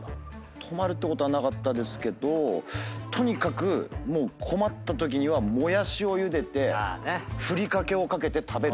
止まるってことはなかったですけどとにかく困ったときにはもやしをゆでてふりかけを掛けて食べる。